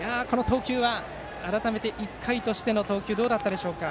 改めて１回としての投球どうだったでしょうか。